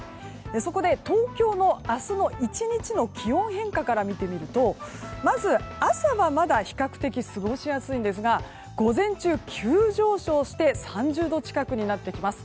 そこで東京の明日の１日の気温変化から見てみるとまず朝はまだ比較的過ごしやすいですが午前中、急上昇して３０度近くになってきます。